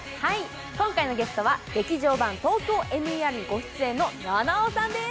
今回のゲストは「劇場版ＴＯＫＹＯＭＥＲ」にご出演の菜々緒さんです。